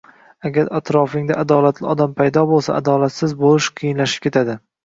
Agar atrofingda adolatli odam paydo bo‘lsa, adolatsiz bo‘lish qiyinlashib ketadi.